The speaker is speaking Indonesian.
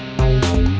sekarang itu gue minta